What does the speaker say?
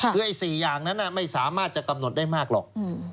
คือไอ้๔อย่างนั้นไม่สามารถจะกำหนดได้มากหรอก